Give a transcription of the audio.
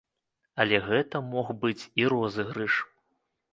Але гэта мог быць і розыгрыш.